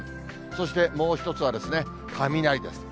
そしてもう一つはですね、雷です。